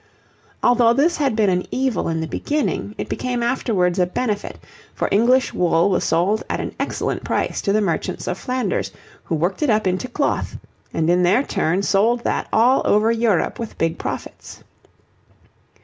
Although this had been an evil in the beginning, it became afterwards a benefit, for English wool was sold at an excellent price to the merchants of Flanders, who worked it up into cloth, and in their turn sold that all over Europe with big profits.